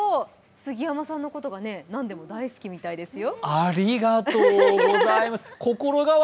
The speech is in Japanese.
杉山さんのことがね、なんでも大好きみたいですよ。